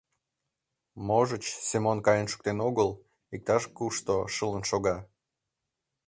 Можыч, Семон каен шуктен огыл, иктаж-кушто шылын шога.